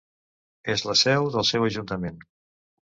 És la seu del seu ajuntament.